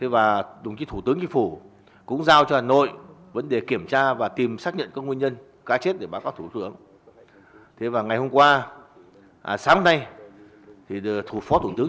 và đồng chí thủ tướng chính phủ cũng giao cho hồ nội vấn đề kiểm tra và tìm xác nhận các nguyên nhân cá chết để bán phát thủ tướng